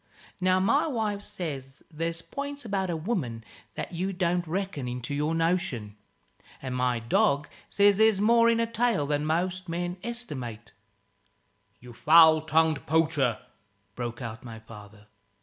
Now my wife says there's points about a woman that you don't reckon into your notion; and my dog says there's more in a tail than most men estimate " "You foul tongued poacher " broke out my father.